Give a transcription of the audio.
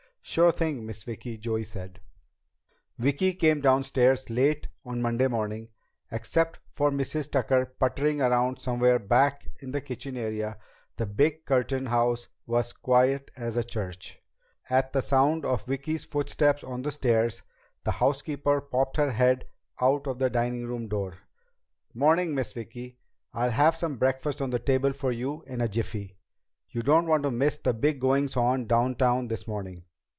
"Sure thing, Miss Vicki," Joey said. Vicki came downstairs late on Monday morning. Except for Mrs. Tucker puttering around somewhere back in the kitchen area, the big Curtin house was quiet as a church. At the sound of Vicki's footsteps on the stairs, the housekeeper popped her head out the dining room door. "'Morning, Miss Vicki. I'll have some breakfast on the table for you in a jiffy. You don't want to miss the big goings on downtown this morning.